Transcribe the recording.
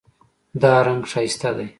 دا رنګ ښایسته دی